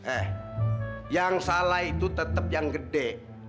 eh yang salah itu tetap yang gede